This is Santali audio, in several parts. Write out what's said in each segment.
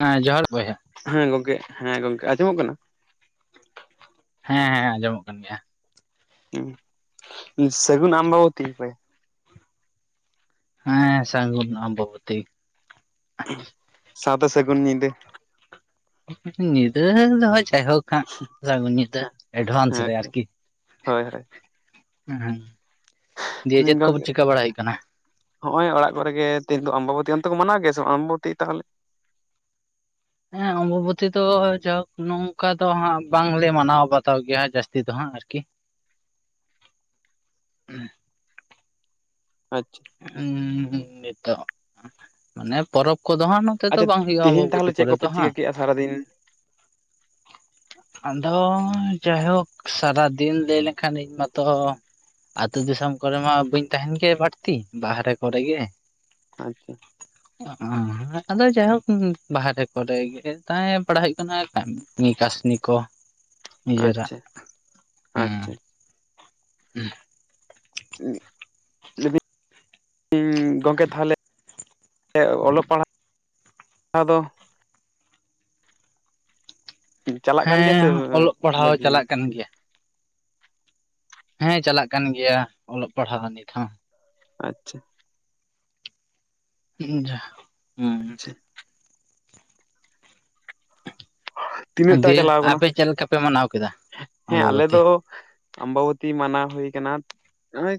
ᱦᱮᱸ ᱡᱚᱦᱟᱨ ᱵᱚᱭᱦᱟ ᱦᱮᱸ ᱜᱚᱝᱠᱮ ᱦᱮᱸ ᱜᱚᱝᱠᱮ ᱟᱸᱡᱚᱢᱚᱜ ᱠᱟᱱᱟ ᱦᱮᱸ ᱦᱮᱸ ᱟᱸᱡᱚᱢᱚᱜ ᱠᱟᱱ ᱜᱮᱭᱟ ᱥᱟᱹᱜᱩᱱ ᱟᱢᱵᱟᱵᱚᱛᱤ ᱦᱚᱭ ᱦᱮᱸ ᱥᱟᱹᱜᱩᱱ ᱟᱢᱵᱟᱵᱚᱛᱤ ᱥᱟᱶᱛᱮ ᱥᱟᱹᱜᱩᱱ ᱧᱤᱫᱟᱹ ᱧᱤᱫᱟᱹ ᱫᱚ ᱦᱚᱭ ᱡᱟᱭᱦᱳᱠ ᱠᱦᱟᱸᱜ ᱥᱟᱜᱩᱱ ᱧᱤᱫᱟᱹ ᱦᱮᱸ ᱮᱰᱵᱷᱟᱱᱥ ᱨᱮ ᱦᱮᱸ ᱟᱨᱠᱤ ᱦᱳᱭ ᱦᱳᱭ ᱦᱮᱸ ᱦᱮᱸ ᱫᱤᱭᱮ ᱪᱮᱫ ᱠᱚ ᱪᱤᱠᱟᱹ ᱵᱟᱲᱟᱭ ᱦᱩᱭᱩᱜ ᱠᱟᱱᱟ [inaudible] ᱦᱚᱸᱜᱚᱭ ᱚᱲᱟᱜ ᱠᱚᱨᱮ ᱜᱮ ᱛᱮᱦᱮᱧ ᱫᱚ ᱚᱢᱵᱚᱵᱚᱛᱤ ᱚᱱᱛᱮ ᱠᱚ ᱢᱟᱱᱟᱣ ᱜᱮᱭᱟ ᱥᱮ ᱚᱢᱵᱚᱵᱚᱛᱤ ᱛᱟᱦᱚᱞᱮ ᱦᱮᱸ ᱚᱢᱵᱚᱵᱚᱛᱤ ᱫᱚ ᱡᱟᱭᱦᱳᱠ ᱱᱚᱝᱠᱟ ᱫᱚ ᱦᱟᱸᱜ ᱵᱟᱝᱞᱮ ᱢᱟᱱᱟᱣ ᱵᱟᱛᱟᱣ ᱜᱮᱭᱟ ᱡᱟᱹᱥᱛᱤ ᱫᱚ ᱦᱟᱸᱜ ᱟᱨᱠᱤ ᱟᱪᱪᱷᱟ ᱦᱩᱸ ᱦᱩᱸ ᱱᱤᱛᱚᱜ ᱢᱟᱱᱮ ᱯᱚᱨᱚᱵᱽ ᱠᱚᱫᱚ ᱦᱟᱸᱜ ᱱᱚᱛ ᱟᱪᱪᱷᱟ ᱛᱮᱦᱤᱧ ᱛᱟᱦᱚᱞᱮ ᱪᱮᱫ ᱠᱚᱯᱮ ᱪᱤᱠᱟᱹ ᱠᱮᱜᱼᱟ ᱥᱟᱨᱟᱫᱤᱱ ᱟᱫᱚ ᱡᱟᱭ ᱦᱳᱠ ᱥᱟᱨᱟ ᱫᱤᱱ ᱞᱟᱹᱭ ᱞᱮᱠᱷᱟᱱ ᱤᱧ ᱢᱟᱛᱚ, ᱟᱹᱛᱩ ᱫᱤᱥᱚᱢ ᱠᱚᱨᱮ ᱢᱟ ᱵᱟᱹᱧ ᱛᱟᱦᱮᱱ ᱜᱮ ᱵᱟᱹᱲᱛᱤ ᱵᱟᱦᱨᱮ ᱠᱚᱨᱮ ᱜᱮ᱾ ᱟᱪᱪᱷᱟ, ᱚᱸᱻ ᱟᱫᱚ ᱡᱟᱭᱦᱳᱠ ᱵᱟᱦᱨᱮ ᱠᱚᱨᱮ ᱜᱮ ᱛᱟᱦᱮᱸ ᱵᱟᱲᱟ ᱦᱩᱭᱩᱜ ᱠᱟᱱᱟ ᱠᱟᱹᱢᱤ ᱠᱟᱹᱥᱱᱤ ᱠᱚ ᱱᱤᱡᱮᱨᱟᱜ ᱟᱪᱪᱷᱟ ᱟᱪᱪᱷᱟ, ᱦᱮᱸ [unintelligible] ᱤᱧ ᱜᱚᱢᱠᱮ ᱛᱟᱦᱚᱞᱮ ᱚᱞᱚᱜ ᱯᱟᱲᱦᱟᱜ ᱟᱫᱚ ᱪᱟᱞᱟᱜ ᱠᱟᱱ ᱜᱮᱭᱟ ᱪᱮ ᱦᱮᱸ ᱮᱻᱻ ᱚᱞᱚᱜ ᱯᱟᱲᱦᱟᱣ ᱵᱷᱟᱹᱜᱤ ᱪᱟᱞᱟᱜ ᱠᱟᱱ ᱜᱮᱭᱟ ᱦᱮᱸ ᱪᱟᱞᱟᱜ ᱠᱟᱱ ᱜᱮᱭᱟ ᱚᱞᱚᱜ ᱯᱟᱲᱦᱟᱣ ᱱᱤᱛ ᱦᱚᱸ ᱾ ᱟᱪᱪᱷᱟ, ᱦᱩᱸᱻ ᱡᱟᱦᱩᱠ ᱦᱩ‍ᱸᱻ ᱛᱤᱱᱟᱹᱜ ᱦᱩᱸ ᱴᱟ ᱫᱤᱭᱮ ᱪᱟᱞᱟᱣ ᱟᱠᱟᱱᱟ ᱟᱯᱮ ᱪᱮᱫ ᱞᱮᱠᱟ ᱯᱮ ᱢᱟᱱᱟᱣ ᱠᱮᱫᱟ ᱦᱮᱸ ᱟᱞᱮ ᱚᱢᱵᱚᱵᱚᱛᱤ ᱫᱚ ᱟᱢᱵᱟᱵᱚᱛᱤ ᱢᱟᱱᱟ ᱦᱩᱭ ᱟᱠᱟᱱᱟ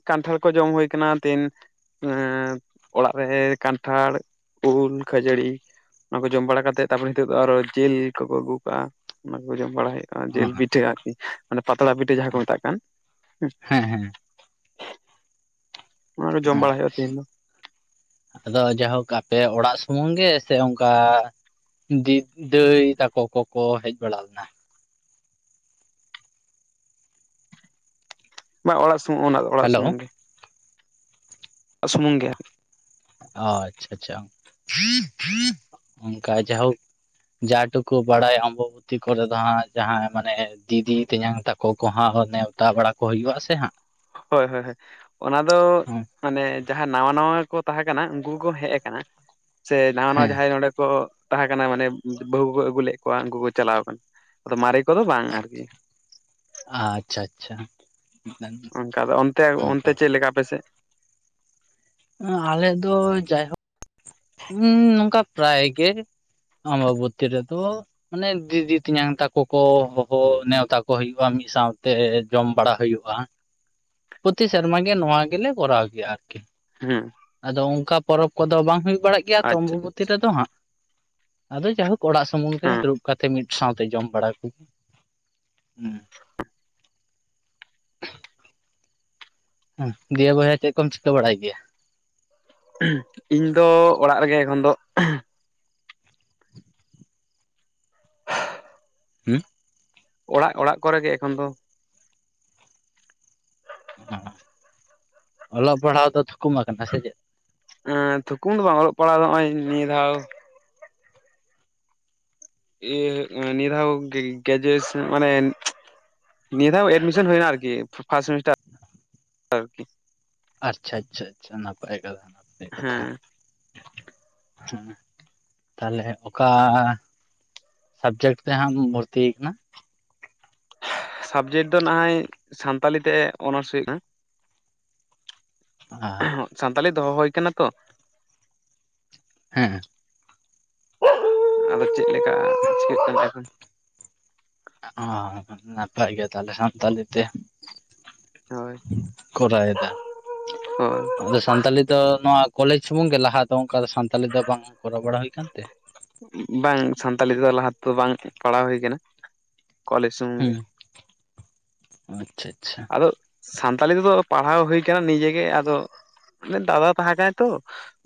ᱠᱟᱱᱴᱷᱟᱲ ᱠᱚ ᱡᱚᱢ ᱦᱩᱭ ᱟᱠᱟᱱᱟ ᱛᱮᱦᱤᱱ ᱮᱸᱻ ᱚᱲᱟᱜ ᱨᱮ ᱠᱟᱱᱴᱷᱟᱲ ᱩᱞ ᱠᱷᱟᱹᱡᱟᱹᱲᱤ ᱚᱱᱟ ᱠᱚ ᱡᱚᱢ ᱵᱟᱲᱟ ᱠᱟᱛᱮᱫ ᱛᱟᱨᱯᱚᱨ ᱱᱤᱛᱚᱜ ᱫᱚ ᱟᱨᱦᱚᱸ ᱡᱤᱞ ᱠᱚᱠᱚ ᱟᱹᱜᱩ ᱟᱠᱟᱜᱼᱟ ᱚᱱᱟ ᱠᱚ ᱡᱚᱢ ᱵᱟᱲᱟ ᱦᱩᱭᱩᱜᱼᱟ ᱡᱤᱞ ᱯᱤᱴᱷᱟᱹ ᱟᱨᱠᱤ ᱢᱟᱱᱮ ᱯᱟᱛᱲᱟ ᱯᱤᱴᱷᱟᱹ ᱡᱟᱦᱟᱸ ᱠᱚ ᱢᱮᱛᱟᱜ ᱠᱟᱱ, ᱦᱮᱸ ᱦᱮᱸ [unintelligible] ᱚᱱᱟ ᱠᱚ ᱡᱚᱢ ᱵᱟᱲᱟ ᱦᱩᱭᱩᱜᱼᱟ [unintelligible] ᱛᱮᱦᱮᱧ ᱫᱚ, ᱟᱫᱚ ᱡᱟ ᱦᱳᱠ ᱟᱯᱮ ᱚᱲᱟᱜ ᱥᱩᱢᱩᱝ ᱜᱮ ᱥᱮ ᱚᱱᱠᱟ [unintelligible] ᱫᱤ ᱫᱟᱹᱭ ᱛᱟᱠᱚ ᱠᱚᱠᱚ ᱦᱮᱡ ᱵᱟᱲᱟ ᱦᱟᱠᱟᱱᱟ᱾ ᱵᱟᱝ ᱚᱲᱟᱜ [unintelligible] ᱚᱱᱟ ᱚᱲᱟᱜ ᱦᱮᱞᱳ ᱥᱩᱢᱩᱝ ᱜᱮ᱾ ᱥᱩᱢᱩᱝ ᱜᱮ, ᱟᱨᱠᱤ ᱚ ᱟᱪᱪᱷᱟ ᱟᱪᱪᱷᱟ [unintelligible] ᱚᱱᱠᱟ ᱡᱟ ᱦᱳᱠ ᱡᱟ ᱴᱩᱠᱩ ᱵᱟᱲᱟᱭᱟ ᱚᱢᱵᱟᱵᱩᱛᱤ ᱠᱚᱨᱮ ᱫᱚ ᱦᱟᱸᱜ ᱡᱟᱦᱟᱸᱭ ᱢᱟᱱᱮ ᱫᱤᱫᱤ ᱛᱮᱧᱟᱝ ᱛᱟᱠᱚ ᱠᱚ ᱦᱟᱸᱜ ᱚᱱᱮ ᱱᱮᱣᱛᱟ ᱵᱟᱲᱟ ᱠᱚ ᱦᱩᱭᱩᱜᱼᱟ ᱥᱮ ᱦᱟᱸᱜ ᱦᱳᱭ ᱦᱳᱭ ᱦᱳᱭ ᱚᱱᱟ ᱫᱚ, ᱦᱟᱸᱜ ᱢᱟᱱᱮ ᱡᱟᱦᱟᱸ ᱱᱟᱣᱟ ᱱᱟᱣᱟ ᱜᱮᱠᱚ ᱛᱟᱦᱮᱸ ᱠᱟᱱᱟ ᱩᱱᱠᱩ ᱠᱚᱠᱚ ᱦᱮᱡ ᱟᱠᱟᱱᱟ ᱥᱮ ᱱᱟᱣᱟ ᱱᱟᱣᱟ ᱦᱮᱸ ᱡᱟᱦᱟᱸᱭ ᱱᱚᱰᱮ ᱠᱚ ᱛᱟᱦᱮᱸ ᱠᱟᱱᱟ ᱢᱟᱱᱮ ᱵᱟᱹᱦᱩ ᱠᱚᱠᱚ ᱟᱹᱜᱩ ᱞᱮᱫ ᱠᱚᱣᱟ ᱩᱱᱠᱩ ᱠᱚ ᱪᱟᱞᱟᱣ ᱟᱠᱟᱱᱟ᱾ ᱟᱫᱚ ᱢᱟᱨᱮ ᱠᱚᱫᱚ ᱵᱟᱝ ᱟᱨᱠᱤ᱾ ᱟᱻᱪᱪᱷᱟ ᱟᱪᱪᱷᱟ ᱚᱱᱠᱟ ᱫᱚ ᱚᱱᱛᱮ ᱚᱱᱛᱮ ᱚᱱᱠᱟ ᱪᱮᱫ ᱞᱮᱠᱟ ᱟᱯᱮᱥᱮ? ᱟᱞᱮ ᱫᱚ ᱡᱟᱭᱦᱳᱠ ᱦᱩᱸ ᱱᱚᱝᱠᱟ ᱯᱨᱟᱭ ᱜᱮ ᱟᱢᱵᱟᱵᱩᱛᱤ ᱨᱮᱫᱚ ᱢᱟᱱᱮ ᱫᱤᱫᱤ ᱛᱤᱧᱟᱝ ᱛᱟᱠᱚ ᱠᱚ ᱦᱚᱦᱚ ᱱᱮᱣᱛᱟ ᱠᱚ ᱦᱩᱭᱩᱜᱼᱟ ᱢᱤᱫ ᱥᱟᱶᱛᱮ ᱡᱚᱢ ᱵᱟᱲᱟ ᱦᱩᱭᱩᱜᱼᱟ᱾ ᱯᱨᱚᱛᱤ ᱥᱮᱨᱢᱟ ᱜᱮ ᱱᱚᱣᱟ ᱜᱮᱞᱮ ᱠᱚᱨᱟᱣ ᱜᱮᱭᱟ ᱟᱨᱠᱤ᱾, ᱦᱩᱸᱻ ᱟᱫᱚ ᱚᱱᱠᱟ ᱯᱚᱨᱚᱵᱽ ᱠᱚᱫᱚ ᱵᱟᱝ ᱦᱩᱭᱩᱜ ᱵᱟᱲᱟᱜ ᱜᱮᱭᱟ ᱟᱪᱪᱷᱟ ᱟᱪᱪᱷᱟ ᱚᱢᱵᱚᱵᱚᱛᱤ ᱨᱮᱫᱚ ᱦᱟᱸᱜ ᱟᱫᱚ ᱡᱟᱭᱦᱳᱠ ᱚᱲᱟᱜ ᱥᱩᱢᱩᱝ ᱨᱮ ᱦᱮᱸ ᱫᱩᱲᱩᱽ ᱠᱟᱛᱮ ᱢᱤᱫ ᱥᱟᱶᱛᱮ ᱡᱚᱢ ᱵᱟᱲᱟ ᱠᱚ, ᱦᱩᱸ᱾ [unintelligible] ᱫᱤᱭᱮ ᱵᱚᱭᱦᱟ ᱪᱮᱫ ᱠᱚᱢ ᱪᱤᱠᱟᱹ ᱵᱟᱲᱟᱭ ᱜᱮᱭᱟ? ᱩᱸᱻᱦᱟᱸ ᱤᱧ ᱫᱚ ᱚᱲᱟᱜ ᱨᱮᱜᱮ ᱮᱠᱷᱚᱱ ᱫᱚ ᱮᱸᱻᱦᱮᱸᱼ ᱦᱩᱸ ᱚᱲᱟᱜ ᱚᱲᱟᱜ ᱠᱚᱨᱮ ᱜᱮ ᱮᱠᱷᱚᱱ ᱫᱚ [unintelligible] ᱚᱞᱚᱜ ᱯᱟᱲᱦᱟᱣ ᱫᱚ ᱛᱷᱩᱠᱩᱢ ᱟᱠᱟᱱᱟ ᱥᱮ ᱪᱮᱫ? ᱮᱸ ᱛᱷᱩᱠᱩᱢ ᱫᱚ ᱵᱟᱝ ᱚᱞᱚᱜ ᱯᱟᱲᱦᱟᱜ ᱱᱚᱜᱼᱚᱭ ᱱᱤᱭᱟᱹ ᱫᱷᱟᱣ ᱤᱭᱟᱹ ᱱᱤᱭᱟᱹ ᱫᱟᱣ ᱜᱨᱮᱡᱮᱣᱮᱥᱟᱱ ᱢᱟᱱᱮ ᱱᱤᱭᱟᱹ ᱫᱷᱟᱣ ᱮᱰᱢᱤᱥᱚᱱ ᱦᱳᱭ ᱮᱱᱟ ᱟᱨᱠᱤ ᱯᱷᱟᱥᱴ ᱥᱮᱢᱮᱥᱴᱟᱨ ᱟᱨᱠᱤ ᱟᱪᱪᱷᱟ ᱟᱪᱪᱷᱟ ᱟᱪᱪᱷᱟ ᱱᱟᱯᱟᱭ ᱠᱟᱛᱷᱟ ᱱᱟᱯᱟᱭ ᱠᱟᱛᱷᱟ ᱦᱮᱸ [unintelligible] ᱦᱮᱸ ᱛᱟᱦᱞᱮ ᱚᱠᱟ ᱥᱟᱵᱽᱡᱮᱠᱴ ᱛᱮ ᱦᱟᱸ ᱮᱢ ᱵᱷᱚᱨᱛᱤ ᱟᱠᱟᱱᱟ? ᱥᱟᱵᱽᱡᱮᱠᱴ ᱫᱚ ᱱᱟᱦᱟᱭ ᱥᱟᱱᱛᱟᱞᱲᱤ ᱛᱮ ᱚᱱᱟᱨᱥ ᱦᱩᱭᱩᱜ ᱠᱟᱱᱟ᱾ [unintelligible] [unintelligible] ᱥᱟᱱᱛᱟᱞᱤ ᱫᱚᱦᱚ ᱦᱩᱭ ᱠᱟᱱᱟ ᱛᱚ ᱦᱩᱸ ᱟᱫᱚ ᱪᱮᱫ ᱞᱮᱠᱟ ᱪᱤᱠᱟᱹᱜ ᱠᱟᱱᱟ ᱮᱠᱦᱚᱱ [unintelligible] [unintelligible] ᱚ ᱱᱟᱯᱟᱭ ᱜᱤᱭᱟ ᱛᱟᱦᱞᱮ ᱥᱟᱱᱛᱟᱞᱤ ᱛᱮ ᱦᱳᱭ ᱠᱚᱨᱟᱣᱮᱫᱟ᱾ ᱦᱳᱭ ᱟᱫᱚ ᱥᱟᱱᱛᱟᱞᱤ ᱫᱚ ᱱᱚᱣᱟ ᱠᱚᱞᱮᱡᱽ ᱥᱩᱢᱩᱝ ᱜᱮ ᱞᱟᱦᱟ ᱫᱚ ᱚᱱᱠᱟ ᱫᱚ ᱥᱟᱱᱛᱟᱞᱤ ᱫᱚ ᱵᱟᱝ ᱠᱚᱨᱟᱣ [unintelligible] ᱵᱟᱲᱟ ᱦᱩᱭ ᱟᱠᱟᱱ ᱛᱮ? ᱵᱟᱝ ᱥᱟᱱᱛᱟᱞᱤ ᱛᱮᱫᱚ ᱞᱟᱦᱟ ᱛᱮᱫᱚ ᱵᱟᱝ ᱯᱟᱲᱦᱟᱣ ᱦᱩᱭ ᱟᱠᱟᱱᱟ᱾ ᱠᱚᱞᱮᱡᱽ ᱥᱩᱢᱩᱝ ᱜᱮ, ᱦᱩᱸ ᱟᱪᱪᱷᱟ ᱟᱪᱪᱷᱟ ᱟᱫᱚ ᱥᱟᱱᱛᱟᱞᱤ ᱛᱮᱫᱚ ᱯᱟᱲᱦᱟᱣ ᱦᱩᱭ ᱟᱠᱟᱱᱟ ᱱᱤᱡᱮ ᱜᱮ ᱟᱫᱚ ᱢᱟᱱᱮ ᱫᱟᱫᱟ ᱛᱟᱦᱮᱸ ᱛᱚ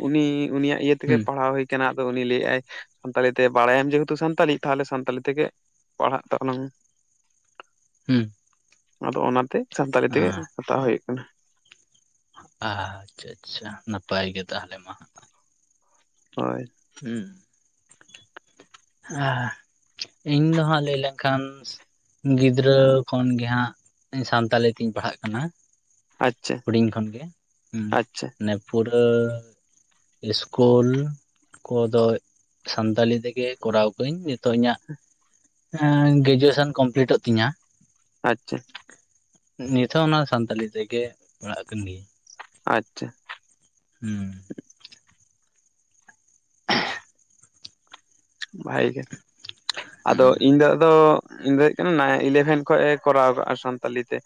ᱩᱱᱤ ᱩᱱᱤᱭᱟᱜ ᱤᱭᱟᱹ ᱛᱮᱜᱮ ᱦᱩᱸ ᱯᱟᱲᱦᱟᱣ ᱦᱳᱭ ᱠᱟᱱᱟ ᱟᱫᱚ ᱩᱱᱤ ᱞᱟᱹᱭ ᱟᱭᱟᱭ ᱥᱟᱱᱛᱟᱲᱤ ᱛᱮ ᱵᱟᱲᱟᱭᱟᱢ ᱡᱮᱦᱩᱛᱩ ᱥᱟᱱᱛᱟᱞᱤ ᱛᱟᱦᱚᱞᱮ ᱥᱟᱱᱛᱟᱞᱤ ᱛᱮᱜᱮ ᱯᱟᱲᱦᱟᱜ ᱛᱟᱵᱚᱱᱟ ᱢᱮ᱾ [inaudible] ᱦᱩᱸ ᱟᱫᱚ ᱚᱱᱟᱛᱮ ᱥᱟᱱᱛᱟᱞᱤ ᱛᱮᱜᱮ ᱦᱟᱛᱟᱣ ᱦᱩᱭᱩᱜ ᱠᱟᱱᱟ᱾ ᱟᱪᱪᱷᱟ-ᱟᱪᱪᱷᱟ ᱱᱟᱯᱟᱭ ᱜᱮ ᱛᱟᱦᱚ ᱞᱮ ᱢᱟ ᱦᱟᱸ ᱦᱳᱭ ᱦᱩᱸᱻ ᱟᱦᱸ ᱤᱧ ᱫᱚ ᱦᱟᱸᱜ ᱞᱟᱹᱭ ᱞᱮᱱᱠᱷᱟᱱ! ᱜᱤᱫᱽᱨᱟᱹ ᱠᱷᱚᱱᱜᱮ ᱦᱟᱸᱜ ᱥᱟᱱᱛᱟᱞᱤ ᱛᱤᱧ ᱯᱟᱲᱦᱟ-ᱜ ᱠᱟᱱᱟ᱾ ᱟᱪᱪᱷᱟ ᱦᱩᱰᱤᱧ ᱠᱷᱚᱱ ᱜᱮ ᱦᱩᱸᱻ ᱟᱪᱪᱷᱟ ᱱᱮᱼᱼᱼ ᱯᱩᱨᱟᱹ ᱤᱥᱠᱩᱞ ᱠᱚᱫᱚᱭ ᱥᱟᱱᱛᱟᱞᱤ ᱛᱮᱜᱮᱼᱼᱼ ᱠᱚᱨᱟᱣ ᱠᱟᱭᱤᱧ ᱱᱤᱛᱚ-ᱜ ᱤᱧᱟᱹᱜ-ᱟ ᱮᱸᱻ ᱜᱨᱮᱡᱩᱭᱮᱥᱮᱱ ᱠᱚᱢᱯᱤᱞᱤᱴᱚ-ᱜ ᱛᱤᱧᱟ! ᱟᱪᱪᱷᱟᱼᱼ ᱱᱤᱛ ᱦᱚᱸ ᱚᱱᱟ ᱥᱟᱱᱛᱟᱞᱤ ᱛᱮᱜᱮ ᱯᱟᱲᱟᱜ ᱠᱟᱱ ᱜᱤᱭᱟᱹᱧ ᱟᱪᱪᱷᱟᱼᱼ ᱦᱩᱸᱻ ᱵᱷᱟᱜᱤ ᱜᱮ ᱟᱫᱚ ᱦᱩᱸ ᱤᱧ ᱫᱚ ᱟᱫᱚ ᱤᱧ ᱫᱚ ᱦᱩᱭᱩᱜ ᱠᱟᱱᱟ ᱱᱟᱜ ᱤᱞᱮᱵᱷᱮᱱ ᱠᱷᱚᱡ ᱮ ᱠᱚᱨᱟᱣ ᱟᱠᱟᱜ-ᱟ ᱥᱟᱱᱛᱟᱞᱤ ᱛᱮ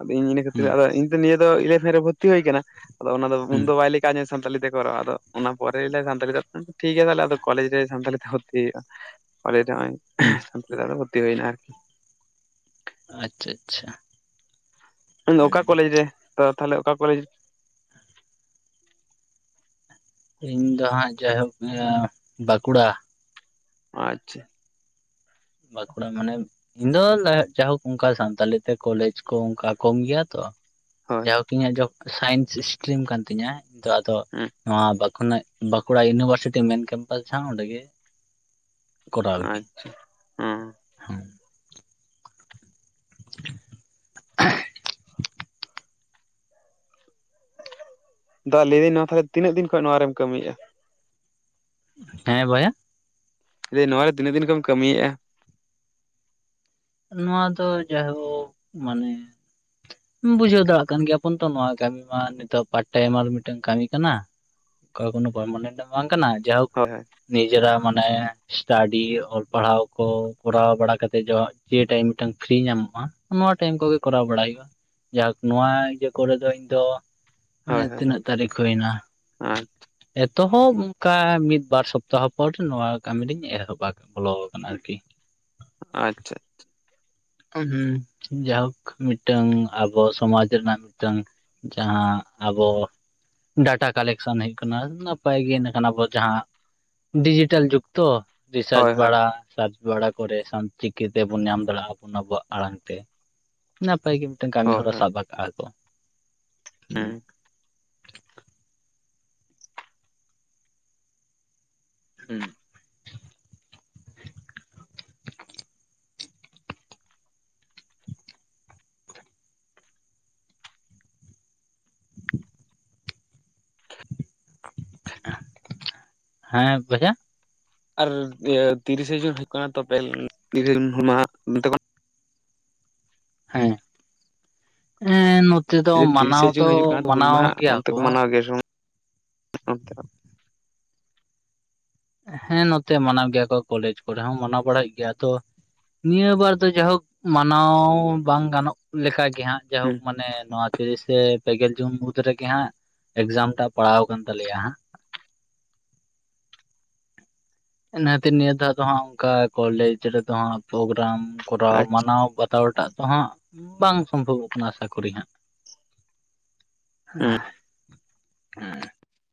ᱟᱫᱚ ᱤᱧ ᱤᱱᱟᱹ ᱠᱷᱟᱹᱛᱤᱨ ᱦᱩᱸ ᱟᱫᱚ ᱤᱧᱼᱼᱼ ᱱᱤᱭᱟᱹ ᱫᱚ ᱤᱞᱮᱵᱷᱮᱱ ᱨᱮ ᱵᱷᱩᱨᱛᱤ ᱦᱩᱭ ᱟᱠᱟᱱᱟ᱾ ᱟᱫᱚ ᱚᱱᱟ ᱦᱩᱸ ᱩᱱᱫᱚ ᱵᱟᱭ ᱞᱚᱭᱼᱼᱼ [unintelligible] ᱥᱟᱱᱛᱟᱲᱤ ᱛᱮ ᱠᱚᱨᱟᱣᱟ᱾ ᱟᱫᱚ ᱚᱱᱟ ᱯᱚᱨᱮ ᱞᱟᱹᱭ ᱫᱟ ᱥᱟᱱᱟᱲᱤ ᱫᱚ ᱴᱤᱷᱠ ᱜᱮᱭᱟ ᱛᱟᱦᱚᱞᱮ ᱟᱫᱚ ᱠᱚᱞᱮᱡᱽ ᱨᱮ ᱥᱟᱱᱛᱟᱲᱤ ᱛᱮ ᱦᱚᱸᱻ [inaudible] [unintelligible] ᱟᱫᱚ ᱱᱚᱭᱚᱭ ᱦᱩᱸ ᱥᱟᱱᱛᱟᱲᱤ ᱛᱮ ᱦᱩᱭᱱᱟ ᱮᱱᱟ! ᱟᱪᱪᱷᱟ-ᱟᱪᱪᱷᱟ ᱢᱮᱱ ᱚᱠᱟ ᱠᱚᱞᱮᱡᱽ ᱨᱮ ᱫᱟᱫᱟ ᱛᱟᱦᱚᱞᱮ ᱚᱠᱟ ᱠᱚᱞᱮᱡᱽ ᱤᱧ ᱫᱚ ᱦᱟᱸᱜ ᱡᱟᱭᱦᱳᱠ ᱵᱟᱸᱠᱩᱲᱟ᱾ ᱟᱪᱪᱷᱟ! ᱵᱟᱺᱠᱩᱲᱟ ᱢᱟᱱᱮ ᱤᱧ ᱫᱚ ᱞᱟᱦᱟ ᱡᱟᱭᱦᱳᱠ ᱚᱱᱠᱟ ᱥᱟᱱᱛᱟᱞᱤ ᱛᱮ ᱠᱚᱞᱮᱡᱽ ᱠᱚ ᱚᱱᱠᱟ ᱠᱚᱢ ᱜᱮᱭᱟ ᱛᱚ! ᱦᱳᱭ [unintelligible] ᱤᱧᱟᱹᱜ ᱫᱚᱸᱥᱟᱭᱮᱱᱥ ᱤᱥᱴᱤᱨᱤᱢ ᱠᱟᱱ ᱛᱤᱧᱟᱹᱛᱚ ᱟᱫᱚ ᱦᱩᱸ ᱱᱚᱣᱟᱠ ᱵᱟᱼᱼᱼ ᱠᱷᱚᱱᱟᱜ ᱵᱟᱸᱠᱩᱲᱟ ᱤᱭᱱᱩᱵᱷᱟᱨᱥᱤᱴᱤ ᱢᱮᱱ ᱠᱮᱢᱯᱟᱥ ᱡᱟᱦᱟᱸ ᱚᱸᱰᱮ ᱜᱮ ᱠᱚᱨᱟᱣ ᱜᱮᱼᱼᱼ [unintelligible] ᱦᱩᱻᱸ ᱫᱟᱫᱟ ᱞᱟᱹᱭ ᱫᱤᱧ ᱱᱚᱣᱟ ᱛᱟᱦᱮ ᱛᱤᱱᱟᱹᱜ ᱫᱤᱱ ᱠᱷᱚᱡ ᱱᱚᱣᱟ ᱨᱮᱢ ᱠᱟᱹᱢᱤᱮᱫ-ᱟ᱾ ᱦᱮᱸ ᱵᱚᱭᱦᱟ? ᱞᱟᱹᱭ ᱤᱧ ᱱᱚᱣᱟ ᱨᱮ ᱛᱤᱱᱟᱹᱜ ᱫᱤᱱ ᱠᱷᱚᱱᱢ ᱠᱟᱹᱢᱤᱭᱮᱫ-ᱟ᱾ ᱱᱚᱣᱟ ᱫᱚ ᱡᱟᱭᱦᱳᱠ ᱢᱟᱱᱮ! ᱵᱩᱡᱷᱟᱹᱣ ᱫᱟᱲᱮᱭᱟᱜ ᱠᱟᱱ ᱜᱮᱭᱟᱵᱚᱱ ᱛᱚ ᱱᱚᱣᱟ ᱠᱟᱹᱢᱤ ᱢᱟ᱾ ᱱᱤᱛᱚᱜ ᱯᱟᱨᱴᱟᱭᱤᱢ ᱟᱨ ᱢᱤᱫᱴᱟᱝ ᱠᱟᱹᱢᱤ᱾ ᱠᱟᱱᱟ ᱚᱠᱟ ᱠᱚ ᱠᱟᱱᱟ ᱵᱟᱢ ᱢᱚᱬᱮ ᱮᱫᱟ ᱵᱟᱝ ᱠᱟᱱᱟ ᱡᱟᱭ ᱦᱳᱜ ᱦᱳᱭ ᱦᱳᱭ ᱱᱤᱡᱮᱨᱟᱜ ᱢᱟᱱᱮ ᱥᱴᱟᱰᱤ ᱚᱞ ᱯᱟᱲᱦᱟᱣ ᱠᱚ ᱠᱚᱨᱟᱣ ᱵᱟᱲᱟ ᱠᱟᱛᱮᱫ ᱡᱮ ᱴᱟᱭᱤᱢ ᱢᱤᱫᱴᱟᱝ ᱯᱷᱤᱨᱤ ᱧᱟᱢᱚᱜ-ᱟ ᱱᱚᱣᱟ ᱴᱟᱭᱤᱢ ᱠᱚᱜᱮ ᱠᱚᱨᱟᱣ ᱵᱟᱲᱟᱭ ᱦᱩᱭᱩᱜ-ᱟ ᱡᱟ ᱦᱳᱠ ᱱᱚᱣᱟ ᱤᱭᱟᱹ ᱠᱚᱨᱮ ᱫᱚ ᱤᱧ ᱫᱚ ᱢᱟᱱᱮ ᱦᱳᱭ ᱦᱳᱭ ᱛᱤᱱᱟᱹᱜ ᱛᱟᱹᱨᱤᱠᱷ ᱦᱩᱭ ᱮᱱᱟ ᱦᱳᱭ ᱮᱛᱚᱦᱚᱵ ᱚᱱᱠᱟ ᱢᱤᱫ ᱵᱟᱨ ᱥᱚᱯᱛᱟᱦᱚ ᱯᱚᱨ ᱱᱚᱣᱟ ᱠᱟᱹᱢᱤ ᱞᱤᱧ ᱮᱦᱚᱵ ᱟᱠᱟᱫᱟ ᱵᱚᱞᱚ ᱟᱠᱟᱱᱟ ᱟᱨᱠᱤ ᱟᱪᱪᱷᱟ ᱡᱟᱭᱦᱳᱠ ᱢᱤᱫᱴᱟᱝ ᱟᱵᱚ ᱥᱚᱢᱟᱡᱽ ᱨᱮᱱᱟᱜ ᱢᱤᱫᱴᱟᱝ ᱡᱟᱦᱟ ᱟᱵᱚ ᱰᱟᱴᱟ ᱠᱟᱞᱮᱠᱥᱚᱱ ᱦᱳᱭᱳᱜ ᱠᱟᱱᱟ ᱱᱟᱯᱟᱭ ᱜᱮ ᱤᱱᱟᱹ ᱠᱷᱟᱱ ᱟᱵᱚ ᱡᱟᱦᱟ ᱰᱤᱡᱤᱴᱮᱞ ᱡᱩᱜᱽ ᱛᱚ ᱨᱤᱥᱟᱨᱪ ᱦᱳᱭ ᱦᱳᱭ ᱵᱟᱲᱟ ᱥᱟᱨᱪ ᱵᱟᱲᱟ ᱠᱚᱨᱮ ᱥᱟᱱ ᱪᱤᱠᱤᱛᱮᱵᱚᱱ ᱧᱟᱢ ᱫᱟᱲᱮᱭᱟᱜ-ᱟ ᱚᱱᱟ ᱟᱵᱚᱣᱟᱜ ᱟᱲᱟᱝ ᱛᱮ ᱱᱟᱯᱟᱭ ᱜᱮ ᱢᱤᱫᱴᱟᱝ ᱠᱟᱹᱢᱤ ᱦᱚᱨᱟ ᱥᱟᱵ ᱟᱠᱟᱜ-ᱟ ᱠᱚ ᱦᱮᱸ ᱦᱩᱸ ᱦᱮᱸ [unintelligible] [unintelligible] [inaudible] ᱦᱮᱸ ᱵᱚᱭᱦᱟ ᱟᱨ ᱤᱭᱟᱹ ᱛᱤᱨᱮᱥᱮ ᱡᱩᱱ ᱦᱩᱭᱩᱜ ᱠᱟᱱᱟ ᱛᱚᱵᱮ [unintelligible] ᱛᱤᱨᱮᱥᱮ ᱡᱩᱱ ᱦᱩᱞ ᱢᱟᱦᱟ [unintelligible] ᱦᱮᱸ ᱮᱸ ᱱᱚᱛᱮ ᱫᱚ ᱞᱟᱹᱭᱫᱟᱹᱧ ᱢᱟᱱᱟᱣ ᱛᱤᱨᱤᱥᱮ ᱡᱩᱱ ᱫᱚ ᱦᱤᱡᱩᱜ ᱠᱟᱱᱟ ᱛᱚ ᱦᱩᱞ ᱢᱟᱱᱟᱣ ᱢᱟᱦᱟ ᱜᱮᱭᱟ ᱚᱱᱛᱮ ᱠᱚ ᱾ ᱢᱟᱱᱟᱣ ᱜᱮᱭᱟ ᱥᱮ ᱚᱱᱛᱮ ᱱᱟᱜ ᱦᱮᱸ ᱱᱚᱛᱮ ᱢᱟᱱᱟᱣ ᱜᱮᱭᱟ ᱠᱚ ᱠᱚᱞᱮᱡᱽ ᱠᱚᱨᱮ ᱦᱚᱸ ᱢᱟᱱᱟᱣ ᱵᱟᱲᱟᱭᱮᱫ ᱜᱮᱭᱟ ᱛᱚ᱾ ᱱᱤᱭᱟᱹ ᱵᱟᱨ ᱫᱚ ᱡᱟᱭᱦᱳᱠ ᱢᱟᱱᱟᱣ ᱵᱟᱝ ᱜᱟᱱᱚᱜ ᱞᱮᱠᱟ ᱜᱮ ᱾ ᱜᱮ ᱦᱟᱸᱜ ᱡᱟᱭᱦᱳᱠ ᱦᱩᱸ ᱢᱟᱱᱮ ᱱᱚᱣᱟ ᱛᱤᱨᱤᱥᱮ ᱯᱮᱜᱮᱞ ᱡᱩᱱ ᱢᱩᱫᱽ ᱨᱮᱜᱮ ᱦᱟᱸᱜ ᱮᱠᱡᱟᱢ ᱴᱟᱜ ᱯᱟᱲᱟᱣ ᱟᱠᱟᱱ ᱛᱟᱞᱮᱭᱟ ᱦᱟᱸᱜ ᱾ ᱤᱱᱟᱹ ᱠᱷᱟᱹᱛᱤᱨ ᱛᱮ ᱱᱤᱭᱟᱹ ᱫᱷᱟᱣ ᱫᱚ ᱦᱟᱜ ᱚᱱᱠᱟ ᱠᱚᱞᱮᱡᱽ ᱨᱮᱫᱚ ᱦᱟᱜ ᱯᱨᱳᱜᱨᱟᱢ ᱠᱚᱨᱟᱣ ᱟᱪᱪᱷᱟ ᱢᱟᱱᱟᱣ ᱵᱟᱛᱟᱣ ᱦᱟᱛᱟᱣᱴᱟᱜ ᱛᱚ ᱦᱟᱸᱜ ᱵᱟᱝ ᱥᱚᱢᱵᱷᱚᱵᱚᱜ ᱠᱟᱱᱟ ᱟᱥᱟ ᱠᱚᱨᱤ ᱦᱟᱸᱜ᱾ ᱦᱩᱸ [unintelligible]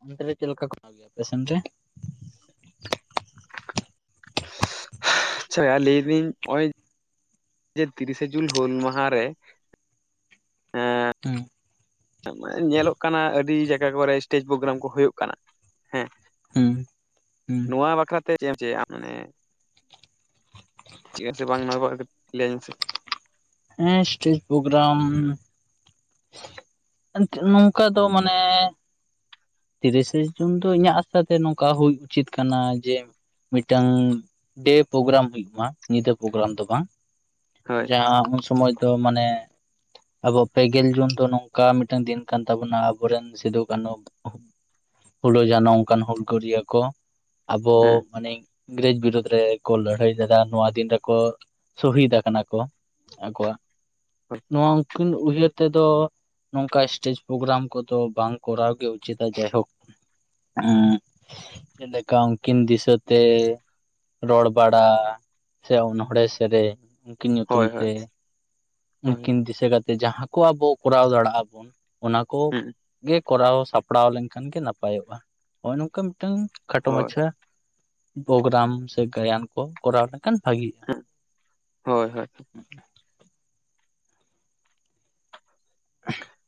ᱚᱱᱛᱮ ᱨᱮ ᱪᱮᱫ ᱞᱮᱠᱟ ᱠᱚᱨᱟᱣ ᱜᱮᱭᱟ ᱟᱯᱮ ᱥᱮᱱ ᱨᱮ ᱟᱪᱪᱷᱟ ᱞᱟᱹᱭ ᱮᱫᱟᱹᱧ ᱱᱚᱜᱼᱚᱭ ᱛᱤᱨᱤᱥᱮ ᱡᱩᱱ ᱦᱩᱞ ᱢᱟᱦᱟᱨᱮ, ᱮᱸ ᱦᱩᱸ ᱢᱟᱱᱮ ᱧᱮᱞᱚᱜ ᱠᱟᱱᱟ ᱟᱹᱰᱤ ᱡᱟᱭᱜᱟ ᱠᱚᱨᱮ ᱥᱴᱮᱮᱡ ᱯᱨᱳᱜᱨᱟᱢ ᱠᱚ ᱦᱩᱭᱩᱜ ᱠᱟᱱᱟ, ᱦᱮᱸ᱾ ᱦᱩᱸ ᱦᱩᱸ ᱱᱚᱣᱟ ᱵᱟᱠᱷᱨᱟ ᱛᱮ ᱪᱮᱫ ᱮᱢ [unintelligible] ᱢᱟᱱᱮ, ᱴᱷᱤᱠ ᱟᱪᱮ ᱵᱟᱝ ᱞᱟᱹᱭ ᱢᱮ ᱥᱮ ᱾ ᱦᱮᱸ ᱥᱴᱮᱡᱽ ᱯᱨᱳᱜᱽᱨᱟᱢ, [unintelligible] ᱱᱚᱝᱠᱟ ᱫᱚ ᱢᱟᱱᱮ ᱛᱤᱨᱤᱥᱮ ᱡᱩᱱ ᱫᱚ ᱤᱧᱟᱹᱜ ᱟᱥᱟ ᱛᱮ ᱱᱚᱝᱠᱟ ᱦᱩᱭ ᱩᱪᱤᱛ ᱠᱟᱱᱟ ᱡᱮ, ᱢᱤᱫᱴᱟᱝ ᱰᱮᱹ ᱯᱨᱳᱜᱨᱟᱢ ᱦᱩᱭᱩᱜ ᱢᱟ ᱧᱤᱫᱟᱹ ᱯᱨᱳᱜᱨᱟᱢ ᱫᱚ ᱵᱟᱝ᱾ ᱦᱳᱭ ᱡᱟᱦᱟᱸ ᱩᱱ ᱥᱚᱢᱚᱭ ᱫᱚ ᱢᱟᱱᱮ ᱟᱵᱚ ᱯᱮ ᱜᱮᱞ ᱡᱩᱱ ᱫᱚ ᱱᱚᱝᱠᱟ ᱢᱤᱫᱴᱟᱝ ᱫᱤᱱ ᱠᱟᱱ ᱛᱟᱵᱚᱱᱟ ᱟᱵᱚ ᱨᱮᱱ ᱥᱤᱫᱩ ᱠᱟᱱᱩ ᱯᱷᱩᱞᱳ ᱡᱷᱟᱱᱚ ᱚᱱᱠᱟᱱ ᱦᱩᱞᱜᱟᱹᱨᱤᱭᱟᱹ ᱠᱚ ᱟᱵᱚ ᱦᱮᱸ ᱢᱟᱱᱮ ᱤᱝᱨᱮᱡᱽ ᱵᱤᱨᱩᱫᱽ ᱨᱮᱠᱚ ᱞᱟᱹᱲᱦᱟᱹᱭ ᱞᱮᱫᱟ ᱱᱚᱣᱟ ᱫᱤᱱ ᱨᱮᱠᱚ ᱥᱚᱦᱤᱫ ᱟᱠᱟᱱᱟ ᱠᱚ᱾ ᱟᱠᱚᱣᱟᱜ ᱦᱳᱭ ᱱᱚᱣᱟ ᱩᱱᱠᱤᱱ ᱩᱭᱦᱟᱹᱨ ᱛᱮᱫᱚ ᱱᱚᱝᱠᱟ ᱥᱴᱮᱡ ᱯᱨᱳᱜᱨᱟᱢ ᱠᱚᱫᱚ ᱵᱟᱝ ᱠᱚᱨᱟᱣ ᱜᱮ ᱩᱪᱤᱛᱟ ᱡᱟᱭᱦᱳᱠ᱾ ᱦᱮᱸ ᱡᱮᱞᱮᱠᱟ ᱩᱱᱠᱤᱱ ᱫᱤᱥᱟᱹ ᱛᱮ ᱨᱚᱲ ᱵᱟᱲᱟ ᱥᱮ ᱚᱱᱚᱲᱦᱮ ᱥᱮᱨᱮᱧ, ᱩᱱᱠᱤᱱ ᱧᱩᱛᱩᱢ ᱦᱳᱭ ᱛᱮ ᱦᱳᱭ ᱩᱱᱠᱤᱱ ᱫᱤᱥᱟᱹ ᱠᱟᱛᱮ ᱡᱟᱦᱟ ᱠᱚ ᱟᱵᱚ ᱠᱚᱨᱟᱣ ᱫᱟᱲᱮᱭᱟᱜᱼᱟ ᱵᱚᱱ᱾ ᱚᱱᱟ ᱦᱩᱸ ᱠᱚᱜᱮ ᱠᱚᱨᱟᱣ ᱥᱟᱯᱲᱟᱣ ᱞᱮᱱᱠᱷᱟᱱ ᱜᱮ ᱱᱟᱯᱟᱭᱚᱜᱼᱟ ᱱᱚᱜᱼᱚᱭ ᱱᱚᱝᱠᱟ ᱢᱤᱫᱴᱟᱝ, ᱠᱷᱟᱴᱚ ᱦᱳᱭ ᱢᱟᱪᱷᱟ ᱯᱨᱳᱜᱨᱟᱢ ᱥᱮ ᱜᱟᱭᱟᱱ ᱠᱚ ᱠᱚᱨᱟᱣ ᱞᱮᱠᱷᱟᱱ ᱵᱷᱟᱜᱤᱜᱼᱟ᱾ ᱦᱳᱭ ᱦᱳᱭ᱾ [unintelligible]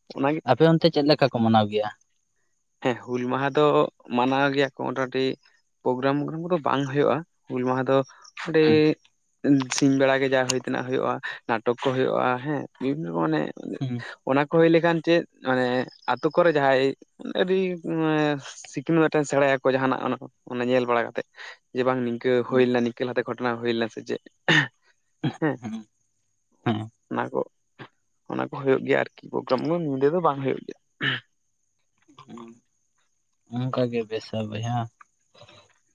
ᱚᱱᱟᱜᱮ᱾ ᱟᱯᱮ ᱚᱱᱛᱮ ᱪᱮᱫ ᱞᱮᱠᱟ ᱠᱚ ᱢᱟᱱᱟᱣ ᱜᱮᱭᱟ? ᱦᱮᱸ ᱦᱩᱞ ᱢᱟᱦᱟ ᱫᱚ ᱢᱟᱱᱟᱣ ᱜᱮᱭᱟ ᱠᱚ ᱢᱚᱴᱟᱢᱩᱴᱤ, ᱯᱨᱳᱜᱽ ᱨᱟᱢ ᱠᱚᱫᱚ ᱵᱟᱝ ᱦᱩᱭᱩᱜᱼᱟ ᱦᱩᱞ ᱢᱟᱦᱟ ᱫᱚ ᱚᱸᱰᱮ ᱦᱮᱸ ᱥᱤᱧ ᱵᱮᱲᱟ ᱜᱮ ᱡᱟ ᱦᱳᱭ ᱛᱮᱱᱟᱜ ᱦᱩᱭᱩᱜᱼᱟ ᱱᱟᱴᱚᱠ ᱠᱚ ᱦᱩᱭᱩᱜᱼᱟ ᱦᱮᱸ ᱵᱤᱵᱷᱤᱱᱚ ᱢᱟᱱᱮ ᱦᱮᱸ ᱚᱱᱟ ᱠᱚ ᱦᱩᱭ ᱞᱮᱠᱷᱟᱱ ᱪᱮᱫ ᱢᱟᱱᱮ ᱟᱛᱳ ᱠᱚᱨᱮ ᱡᱟᱦᱟᱸᱭ ᱟᱹᱰᱤ ᱢᱟᱱᱮ ᱥᱤᱠᱷᱱᱟᱹ ᱢᱮᱴᱟᱱ ᱥᱮᱬᱟᱭᱟᱚ ᱡᱟᱦᱟᱱᱟᱜ ᱧᱮᱞ ᱵᱟᱲᱟ ᱠᱟᱛᱮᱜ ᱡᱮ ᱵᱟᱝ ᱱᱤᱝᱠᱟᱹ ᱦᱩᱭ ᱦᱮᱸ ᱞᱮᱱᱟ ᱱᱤᱝᱠᱟᱹ ᱞᱟᱦᱟᱛᱮ ᱜᱷᱚᱴᱚᱱᱟ ᱦᱩᱭ ᱞᱮᱱᱟ ᱥᱮ ᱪᱮᱫ ᱦᱮᱸ ᱦᱮᱸ ᱚᱱᱟ ᱠᱚ ᱚᱱᱟ ᱠᱚ ᱦᱩᱭᱩᱜ ᱜᱮᱭᱟ ᱟᱨᱠᱤ ᱯᱨᱳᱜᱽ ᱨᱟᱢ ᱧᱤᱫᱟᱹ ᱫᱚ ᱵᱟᱝ ᱦᱩᱭᱩᱜ ᱜᱮᱭᱟ ᱾ ᱦᱮᱸ ᱚᱝᱠᱟ ᱜᱮ ᱵᱮᱥᱟ ᱵᱚᱭᱦᱟ᱾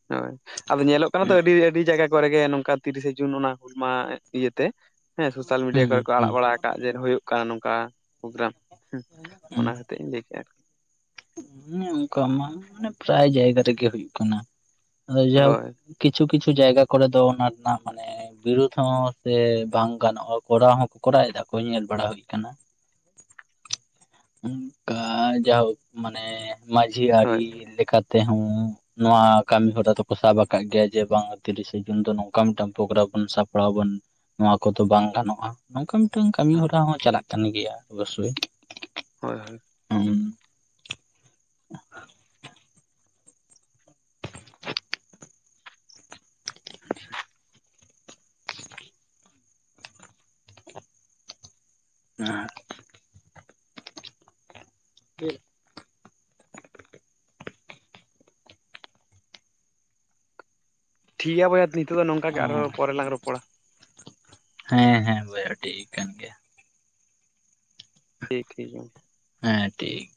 ᱦᱳᱭ ᱟᱫᱚ ᱧᱮᱞᱚᱜ ᱠᱟᱱᱟ ᱛᱚ ᱟᱹᱰᱤ ᱟᱹᱰᱤ ᱡᱟᱭᱜᱟ ᱠᱚᱨᱮᱜᱮ ᱱᱚᱝᱠᱟ ᱛᱤᱨᱤᱥᱮ ᱡᱩᱱ ᱚᱱᱟ ᱢᱟ ᱤᱭᱟᱹᱛᱮ ᱦᱮᱸ ᱥᱳᱥᱟᱞ ᱦᱩᱸ ᱢᱤᱰᱤᱭᱟ ᱠᱚᱨᱮ ᱦᱩᱸ ᱠᱚ ᱟᱲᱟᱜ ᱵᱟᱲᱟ ᱟᱠᱟᱫ ᱡᱮ ᱦᱩᱭᱩᱜ ᱠᱟᱱᱟ ᱱᱚᱝᱠᱟ᱾ ᱯᱨᱳᱜᱨᱟᱢ ᱚᱱᱟ ᱠᱷᱟᱛᱤᱨ ᱤᱧ ᱞᱟᱹᱭ ᱠᱮᱫᱼᱟ ᱦᱩᱸ ᱚᱝᱠᱟ ᱢᱟ ᱢᱟᱱᱮ ᱯᱨᱟᱭ ᱡᱟᱭᱜᱟ ᱨᱮᱜᱮ ᱦᱩᱭᱩᱜ ᱠᱟᱱᱟ ᱟᱫᱚ ᱡᱟᱦᱳᱠ ᱦᱳᱭ ᱠᱤᱪᱷᱩ ᱠᱤᱪᱷᱩ ᱡᱟᱭᱜᱟ ᱠᱚᱨᱮ ᱫᱚ ᱚᱱᱟ ᱨᱮᱱᱟᱜ ᱢᱟᱱᱮ ᱵᱤᱨᱩᱫᱽ ᱦᱚᱸ ᱥᱮ ᱵᱟᱝ ᱜᱟᱱᱚᱜᱼᱟ ᱠᱚᱨᱟᱣ ᱦᱚᱸᱠᱚ ᱠᱚᱨᱟᱣ ᱮᱫᱟ ᱠᱚ ᱧᱮᱞ ᱵᱟᱲᱟ ᱦᱩᱭ ᱟᱠᱟᱱᱟ᱾ [inaudible] ᱟ ᱡᱟᱦᱳᱠ ᱢᱟᱱᱮ ᱢᱟᱺᱡᱷᱤ ᱦᱳᱭ ᱟᱹᱨᱤ ᱞᱮᱠᱟ ᱛᱮᱦᱚᱸ ᱱᱚᱣᱟ ᱠᱟᱹᱢᱤ ᱦᱚᱨᱟ ᱫᱚᱠᱚ ᱥᱟᱵ ᱟᱠᱟᱫ ᱜᱮᱭᱟ ᱡᱮ ᱵᱟᱝ ᱛᱤᱨᱤᱥᱮ ᱡᱩᱱ ᱫᱚ ᱱᱚᱝᱠᱟ ᱢᱤᱫᱴᱟᱝ ᱯᱨᱳᱜᱨᱟᱢ ᱵᱚᱱ ᱥᱟᱯᱲᱟᱣ ᱵᱚᱱ ᱱᱚᱣᱟ ᱠᱚᱛᱚ ᱵᱟᱝ ᱜᱟᱱᱚᱜᱼᱟ ᱱᱚᱝᱠᱟ ᱢᱤᱫᱴᱟᱝ ᱠᱟᱹᱢᱤᱦᱚᱨᱟ ᱦᱚᱸ ᱪᱟᱞᱟᱜ ᱠᱟᱱ ᱜᱮᱭᱟ ᱚᱵᱚᱥᱥᱳᱭ ᱦᱳᱭ ᱦᱳᱭ ᱦᱩᱸ [unintelligible] [unintelligible] ᱴᱷᱤᱠ ᱜᱮᱭᱟ ᱵᱚᱭᱮᱟ ᱱᱤᱛᱚᱜ ᱫᱚ ᱱᱚᱝᱠᱟ ᱜᱮ ᱟᱨᱦᱚᱸ ᱯᱚᱨᱮᱞᱟᱝ ᱨᱚᱯᱚᱲᱟ ᱦᱮᱸ ᱦᱮᱸ ᱵᱚᱭᱦᱟ ᱴᱷᱤ ᱠᱟᱱ ᱜᱮᱭᱟ ᱴᱷᱤᱠ ᱴᱷᱤᱠ ᱜᱮᱭᱟ ᱦᱮᱸ ᱴᱷᱤᱠ